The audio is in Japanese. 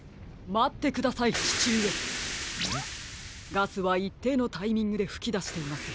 ガスはいっていのタイミングでふきだしています。